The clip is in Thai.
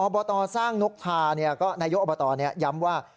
บตสร้างนกทาก็นายกอบตย้ำว่า